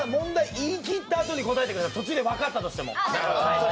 言い切ったあとに答えてください答えが分かったとしても。